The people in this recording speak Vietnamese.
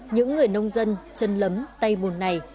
những người nông dân chân lấm tay mùn này